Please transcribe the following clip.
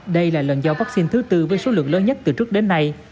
đây là lần do vaccine thứ tư với số lượng lớn nhất từ trước đến nay